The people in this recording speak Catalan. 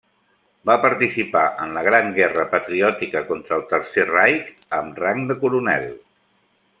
Va participar en la Gran Guerra Patriòtica contra el Tercer Reich, amb rang de coronel.